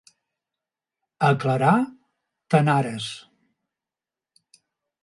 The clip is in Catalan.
A Clarà, tannares.